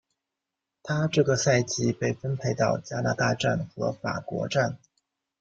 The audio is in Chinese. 她这个赛季被分配到加拿大站和法国站。